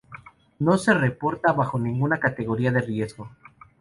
No se reporta bajo ninguna categoría de riesgo.